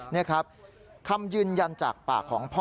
นี่ครับคำยืนยันจากปากของพ่อ